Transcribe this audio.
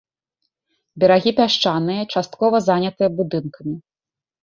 Берагі пясчаныя, часткова занятыя будынкамі.